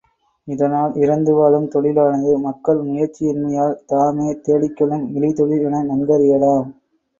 இதனால் இரந்துவாழும் தொழிலானது மக்கள் முயற்சியின்மையால் தாமே தேடிக்கொள்ளும் இழி தொழில் என நன்கறியலாம்.